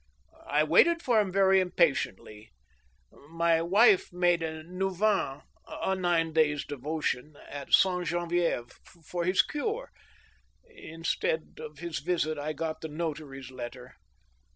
... I waited for him very impatiently. .•. My wife made a neuvatne — ^a nine days* devotion — at Saint Gene^ vi^ve, for his cure. Instead of his visit, I got the notary's letter